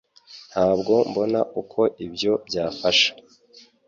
Ntabwo mbona uko ibyo byafasha